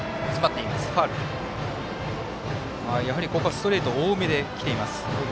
ストレート多めできています。